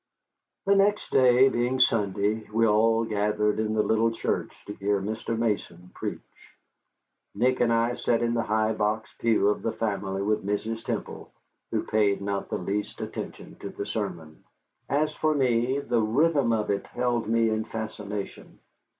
The next day, being Sunday, we all gathered in the little church to hear Mr. Mason preach. Nick and I sat in the high box pew of the family with Mrs. Temple, who paid not the least attention to the sermon. As for me, the rhythm of it held me in fascination.